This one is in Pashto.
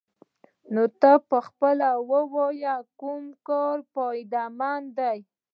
نو ته پخپله ووايه کوم کار فايده مند دې.